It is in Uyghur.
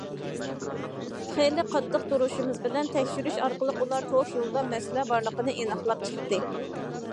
خېلى قاتتىق تۇرۇشىمىز بىلەن، تەكشۈرۈش ئارقىلىق، ئۇلار توك يولىدا مەسىلە بارلىقىنى ئېنىقلاپ چىقتى.